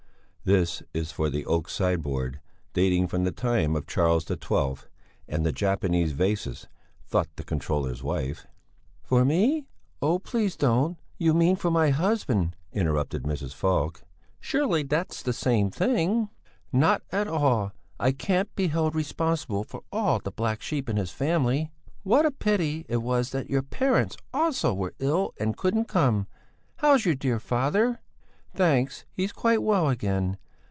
This is for the oak sideboard, dating from the time of Charles XII, and the Japanese vases, thought the controller's wife. "For me! Oh, please don't! You mean for my husband?" interrupted Mrs. Falk. "Surely, that's the same thing!" "Not at all! I can't be held responsible for all the black sheep in his family." "What a pity it was that your parents, also, were ill and couldn't come! How's your dear father?" "Thanks. He's quite well again.